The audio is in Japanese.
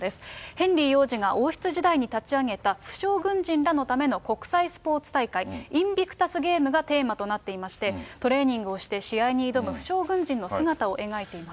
ヘンリー王子が王室時代に立ち上げた負傷軍人らのための国際スポーツ大会、インビクタス・ゲームがテーマとなっていまして、トレーニングをして試合に挑む負傷軍人の姿を描いています。